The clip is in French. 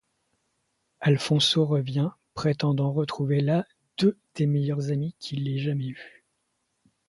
Alfonso revient, prétendant retrouver là deux des meilleurs amis qu'il ait jamais eus.